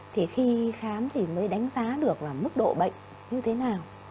thì khi khám thì mới đánh giá được là mức độ bệnh như thế nào